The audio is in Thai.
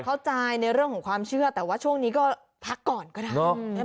เข้าใจในเรื่องของความเชื่อแต่ว่าช่วงนี้ก็พักก่อนก็ได้